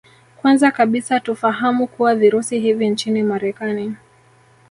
Kwanza kabisa tufahamu kuwa Virusi hivi nchini Marekani